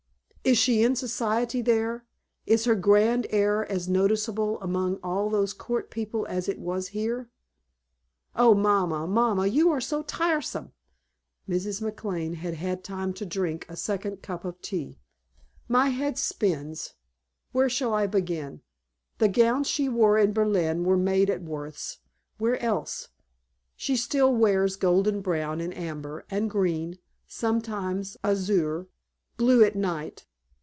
"Is she in Society there? Is her grand air as noticeable among all those court people as it was here?" "Oh, mamma, mamma, you are so tiresome!" Mrs. McLane had had time to drink a second cup of tea. "My head spins. Where shall I begin? The gowns she wore in Berlin were made at Worth's. Where else? She still wears golden brown, and amber, and green sometimes azure blue at night.